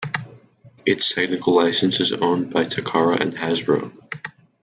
Its technical license is owned by Takara and Hasbro.